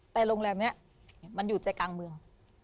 แต่โรงแรมอยู่ในกลางเมือง